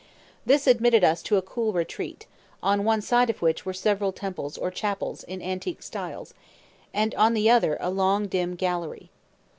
This admitted us to a cool retreat, on one side of which were several temples or chapels in antique styles, and on the other a long dim gallery.